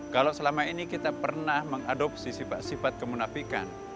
kalau selama ini kita pernah mengadopsi sifat kemunafikan